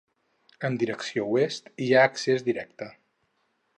En direcció oest, hi ha accés directe.